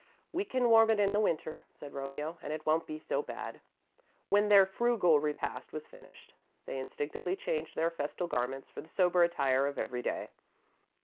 "We can warm it in the winter," said Romeo, "and it won't be so bad." When their frugal repast was finished, they instinctively changed their festal garments for the sober attire of every day.